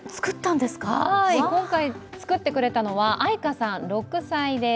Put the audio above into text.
今回、作ってくれたのは愛果さん６歳です。